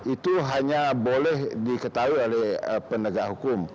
itu hanya boleh diketahui oleh penegak hukum